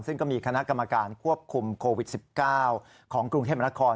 ซึ่งก็มีคณะกรรมการควบคุมโควิด๑๙ของกรุงเทพมนาคม